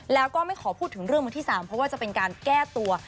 แล้วก็ไม่ขอพูดถึงเรื่องมือที่๓เพราะว่าจะเป็นการแก้ตัว